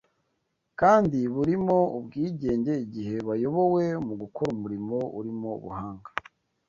kandi burimo ubwigenge igihe bayobowe mu gukora umurimo urimo ubuhanga